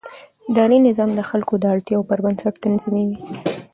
اداري نظام د خلکو د اړتیاوو پر بنسټ تنظیمېږي.